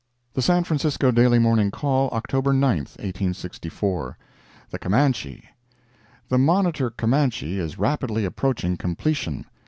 The San Francisco Daily Morning Call, October 9, 1864 THE CAMANCHE The monitor Camanche is rapidly approaching completion.